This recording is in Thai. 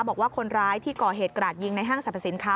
บอกว่าคนร้ายที่ก่อเหตุกราดยิงในห้างสรรพสินค้า